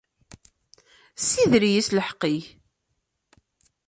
Ssider-iyi s lḥeqq-ik.